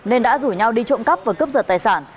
nên đã rủ nhau đi trộm cắp và cướp giật tài sản